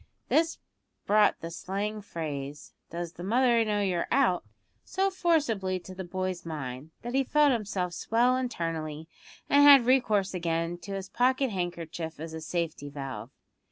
This brought the slang phrase, "Does your mother know you're out?" so forcibly to the boy's mind, that he felt himself swell internally, and had recourse again to his pocket handkerchief as a safety valve.